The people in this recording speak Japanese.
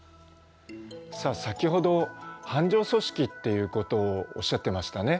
さあ先ほど斑状組織っていうことをおっしゃってましたね。